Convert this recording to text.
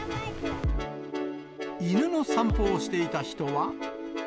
犬の散歩をしていた人は。